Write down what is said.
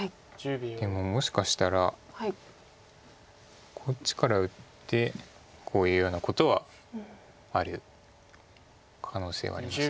でももしかしたらこっちから打ってこういうようなことはある可能性はあります。